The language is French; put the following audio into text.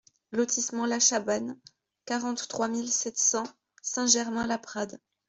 Lotissement La Chabanne, quarante-trois mille sept cents Saint-Germain-Laprade